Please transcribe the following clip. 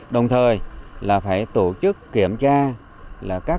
đồng thời phải tổ chức kiểm tra các công trình